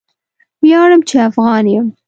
ویاړم چې افغان یم.